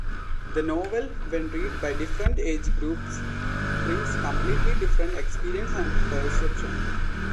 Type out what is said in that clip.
The novel when read by different age groups brings completely different experience and perception.